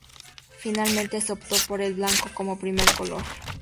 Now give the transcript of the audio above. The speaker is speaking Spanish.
Finalmente se optó por el blanco como primer color.